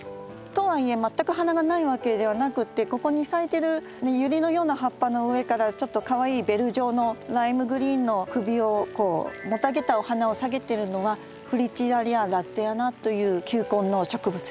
とはいえ全く花がないわけではなくってここに咲いてるユリのような葉っぱの上からちょっとかわいいベル状のライムグリーンの首をこうもたげたお花を下げてるのはフリチラリアラッデアナという球根の植物です。